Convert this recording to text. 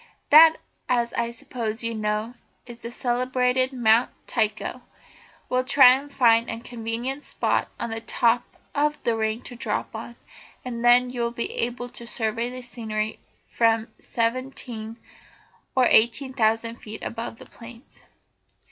that, as I suppose you know, is the celebrated Mount Tycho. I'll try and find a convenient spot on the top of the ring to drop on, and then you will be able to survey the scenery from seventeen or eighteen thousand feet above the plains."